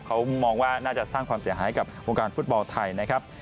เขามองว่าน่าจะสร้างความเสียหายกับวงการฟุตบอลไทยนะครับ